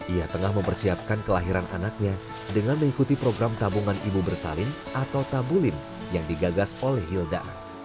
ia tengah mempersiapkan kelahiran anaknya dengan mengikuti program tabungan ibu bersalin atau tabulin yang digagas oleh hilda